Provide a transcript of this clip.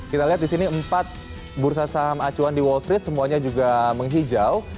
kita lihat di sini empat bursa saham acuan di wall street semuanya juga menghijau